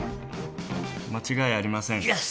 間違いありませんＹＥＳ！